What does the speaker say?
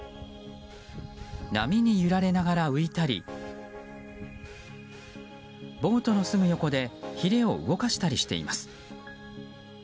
波に揺られながら浮いたりボートのすぐ横でひれを動かしたりしています。